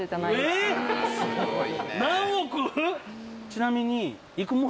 ちなみに。